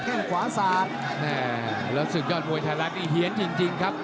แข่งขวาสาแล้วสุดยอดมวยแทรกนี่เหี้ยนจริงครับ